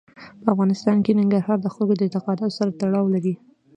په افغانستان کې ننګرهار د خلکو د اعتقاداتو سره تړاو لري.